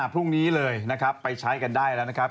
พรุ่งนี้เลยนะครับไปใช้กันได้แล้วนะครับ